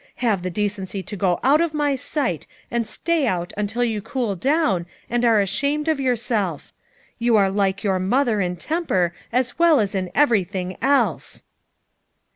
Have the decency to go out of my sight and stay out until you cool down and are ashamed of yourself; you are FOUR MOTHERS AT CHAUTAUQUA 117 like your mother in temper as well as in every thing else."